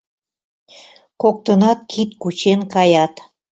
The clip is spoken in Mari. Коктынат кид кучен каят.